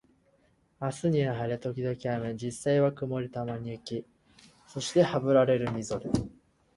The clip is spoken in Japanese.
明日は晴れ、時々雨、実際は曇り、たまに雪、そしてハブられるみぞれ